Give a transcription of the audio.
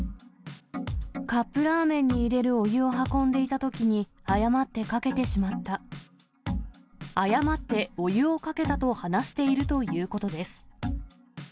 カップラーメンに入れるお湯を運んでいたときに、誤ってお湯をかけたと話しているということです。